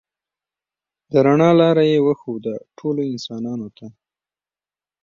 د رڼا لاره یې وښوده ټولو انسانانو ته.